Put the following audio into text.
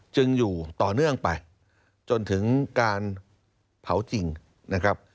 จึงอยู่ต่อเนื่องไปจนถึงการเผาจริงนะครับ